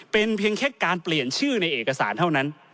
เป็นเพียงแค่การเปลี่ยนชื่อในเอกสารเท่านั้น